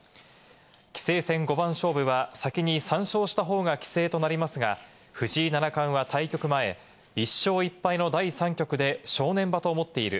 棋聖戦五番勝負は先に３勝した方が棋聖となりますが、藤井七冠は対局前、１勝１敗の第３局で正念場と思っている。